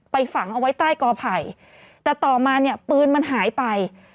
ฝังเอาไว้ใต้กอไผ่แต่ต่อมาเนี่ยปืนมันหายไป